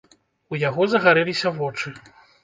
У яго загарэліся вочы.